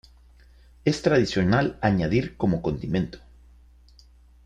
Es tradicional añadir como condimento.